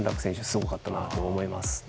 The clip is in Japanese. すごかったなと思います。